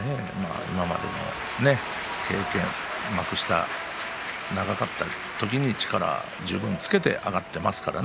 今までの幕下、長かった時に力を十分つけて上がっていますからね。